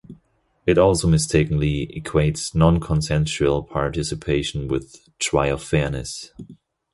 It also mistakenly equates non-consensual participation with trial fairness.